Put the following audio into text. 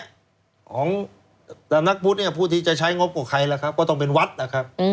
ของสำนักพุทธเนี่ยผู้ที่จะใช้งบกับใครล่ะครับก็ต้องเป็นวัดนะครับ